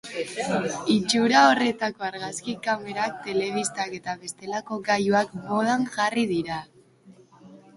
Itxura horretako argazki kamerak, telebistak eta bestelako gailuak modan jarri dira.